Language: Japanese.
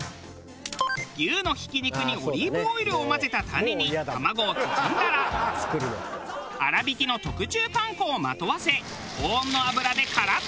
牛のひき肉にオリーブオイルを混ぜたタネに卵を包んだら粗挽きの特注パン粉をまとわせ高温の油でカラッと揚げる。